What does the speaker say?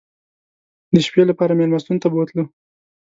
د شپې لپاره مېلمستون ته بوتلو.